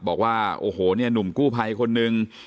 บอกว่าโอ้โหเนี่ยหนุ่มกู้ภัยคนนึง